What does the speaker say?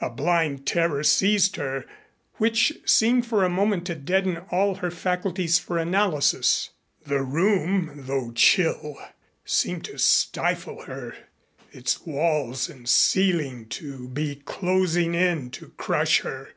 A blind terror seized her which seemed for the moment to deaden all her faculties for analysis. The room, though chill, seemed to stifle her, its walls and ceiling to be closing in to crush her.